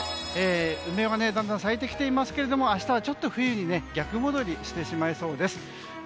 梅がだんだん咲いてきていますが明日はちょっと冬に逆戻りしてしまいそうです。